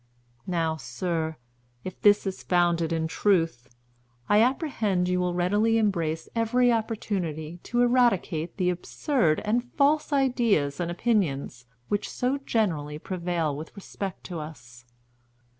Now, sir, if this is founded in truth, I apprehend you will readily embrace every opportunity to eradicate the absurd and false ideas and opinions which so generally prevail with respect to us.